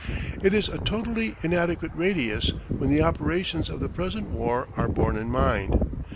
It is a totally inadequate radius when the operations of the present war are borne in mind.